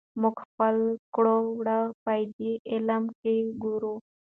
موږ خپل کړه وړه پدې علم کې ګورو.